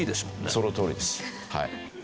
そのとおりです。